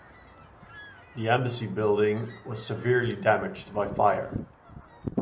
The embassy building was severely damaged by fire.